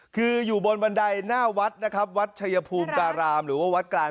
คืออยู่บนบันไดหน้าวัดนะครับวัดชายภูมิการามหรือว่าวัดกลาง